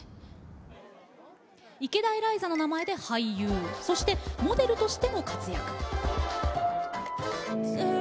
池田エライザの名前で俳優そして、モデルとしても活躍。